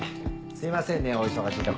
すいませんねお忙しいところ。